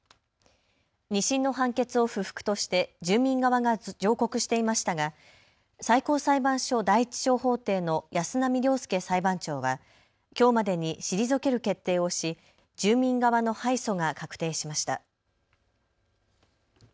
２審の判決を不服として住民側が上告していましたが最高裁判所第１小法廷の安浪亮介裁判長はきょうまでに退ける決定をし住民側の敗訴が確定しました。